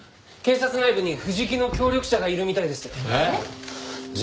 警察内部に藤木の協力者がいるみたいです。